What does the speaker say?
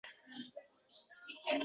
Men u yerga samolyotda uchib borardim